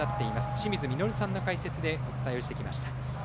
清水稔さんの解説でお伝えしてきました。